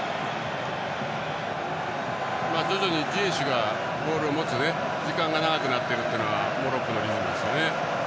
徐々にジエシュがボールを持つ時間が長くなっているというのはモロッコのリズムですね。